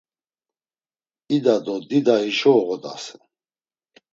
İda do dida hişo oğodasen!